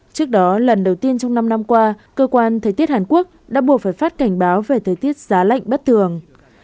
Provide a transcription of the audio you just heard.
trước đó lần đầu tiên trong năm năm qua cơ quan thời tiết hàn quốc đã buộc phải phát cảnh báo về thời tiết giá lạnh bất thường